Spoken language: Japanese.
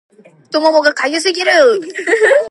太ももが痒すぎる